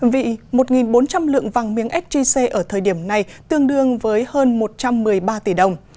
vì một bốn trăm linh lượng vàng miếng sgc ở thời điểm này tương đương với hơn một trăm một mươi ba tỷ đồng